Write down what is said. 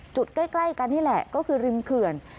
ใกล้กันนี่แหละก็คือริมเขื่อน